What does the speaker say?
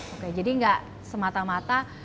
oke jadi nggak semata mata